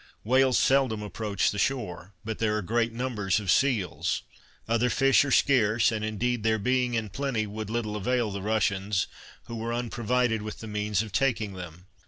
Whales seldom approach the shore; but there are great numbers of seals; other fish are scarce, and indeed their being in plenty would little avail the Russians, who were unprovided with the means of taking them.